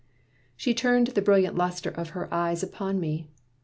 She turned the brilliant luster of her eyes Upon me.